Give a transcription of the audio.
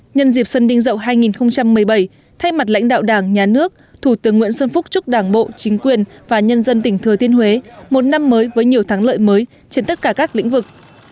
nhân dịp xuân đinh dậu hai nghìn một mươi bảy thay mặt lãnh đạo đảng nhà nước thủ tướng nguyễn xuân phúc chúc đảng bộ chính quyền và nhân dân tỉnh thừa thiên huế một năm mới với nhiều thắng lợi mới trên tất cả các lĩnh vực